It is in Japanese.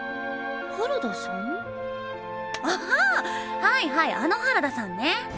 ああはいはいあの原田さんね。